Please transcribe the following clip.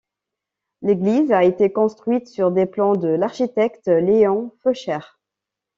L'église a été construite sur des plans de l'architecte Léon Feuchère.